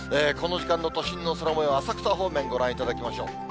この時間の都心の空もよう、浅草方面ご覧いただきましょう。